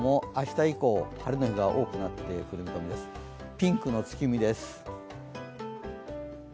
ピンクの月見です。